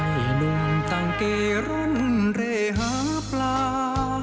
ไปร่วมต่างเกรรมเรหาปลา